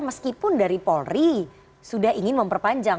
meskipun dari polri sudah ingin memperpanjang